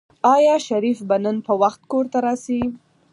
آیا شریف به نن په وخت کور ته راشي؟